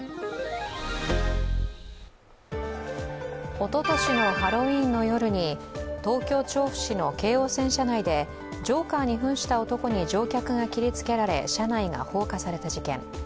おととしのハロウィーンの夜に東京・調布市の京王線車内でジョーカーにふんした男に乗客が切りつけられ、車内が放火された事件。